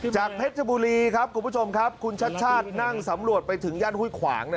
เพชรบุรีครับคุณผู้ชมครับคุณชัดชาตินั่งสำรวจไปถึงย่านห้วยขวาง